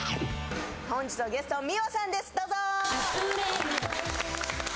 本日のゲスト、ｍｉｗａさんです、どうぞ。